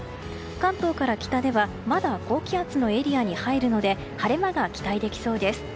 関東から北ではまだ高気圧のエリアに入るので晴れ間が期待できそうです。